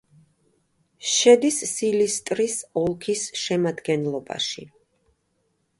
შედის სილისტრის ოლქის შემადგენლობაში.